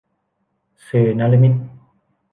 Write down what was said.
สื่อนฤมิต